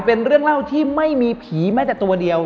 เป็นเรื่องเล่าที่ไม่มีผีแม้แต่ตัวเดียว